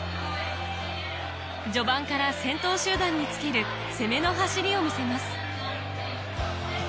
序盤から先頭集団につける攻めの走りを見せます